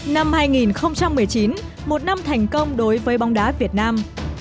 năm hai nghìn một mươi chín một năm thành công đối với bóng đá việt nam